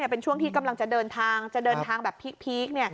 เป็นช่วงที่กำลังจะเดินทางจะเดินทางแบบพีค